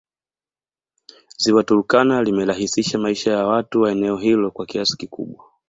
Ziwa Turkana limerahisisha maisha wa watu wa eneo hilo kwa kiasi kikubwa